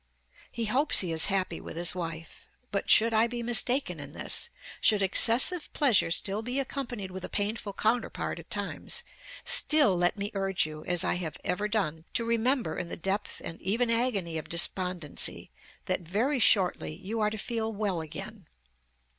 He hopes he is happy with his wife, "but should I be mistaken in this, should excessive pleasure still be accompanied with a painful counterpart at times, still let me urge you, as I have ever done, to remember in the depth and even agony of despondency, that very shortly you are to feel well again."